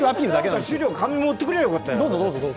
資料、紙、持ってくりゃよかった。